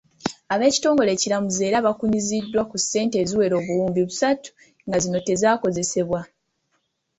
Ab'ekitongole ekiramuzi era bakunyiziddwa ku ssente eziwera obuwumbi busatu nga zino tezaakozesebwa.